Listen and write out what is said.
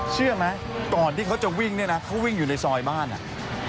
เชื่อไหมก่อนที่เขาจะวิ่งเนี่ยนะเขาวิ่งอยู่ในซอยบ้านอ่ะ